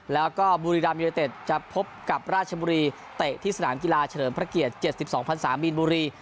แล้วก็บุรีรามยูเนเต็ดจะพบกับราชบุรีเตะที่สนามกีฬาเฉลิมพระเกียรติ๗๒พันศามีนบุรี